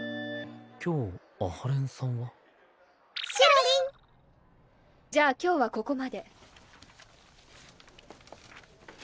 今日阿波連さんは？じゃあ今日はここまで。